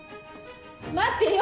待ってよ。